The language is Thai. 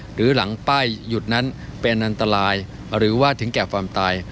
หรือหลังป้ายหยุดนั้นเป็นอันตรายหรือว่าถึงแก่ความตาย